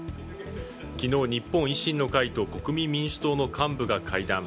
昨日、日本維新の会と国民民主党の幹部が会談。